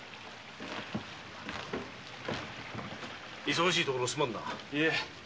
忙しいところすまぬな。